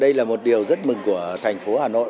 đây là một điều rất mừng của thành phố hà nội